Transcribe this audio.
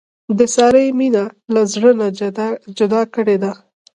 د سارې مینه مې له زړه نه جدا کړې ده.